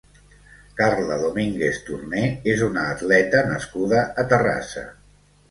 Carla Domínguez Torner és una atleta nascuda a Terrassa.